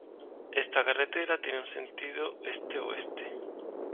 Esta carretera tiene un sentido este-oeste.